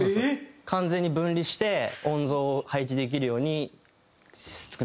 完全に分離して音像を配置できるように作ってるんですよ。